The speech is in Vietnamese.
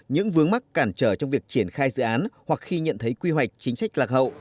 những vướng mắc cản trở trong việc triển khai dự án hoặc khi nhận thấy quy hoạch chính sách lạc hậu